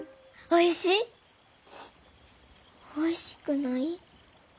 おいしくない？